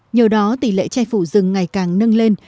nhờ đó tỷ lệ che phủ rừng ngày càng nâng lên